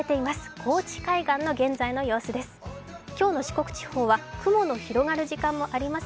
高知海岸の現在の様子です。